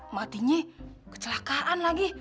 matinya kecelakaan lagi